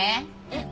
えっ？